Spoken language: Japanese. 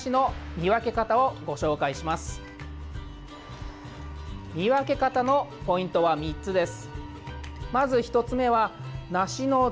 見分け方のポイントは３つです。